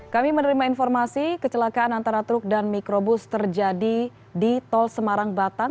kami menerima informasi kecelakaan antara truk dan mikrobus terjadi di tol semarang batan